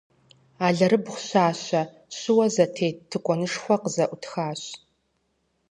Алэрыбгъу щащэ, щыуэ зэтет тыкуэнышхуэ къызэӏутхащ.